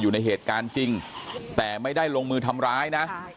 อยู่ในเหตุการณ์จริงแต่ไม่ได้ลงมือทำร้ายนะ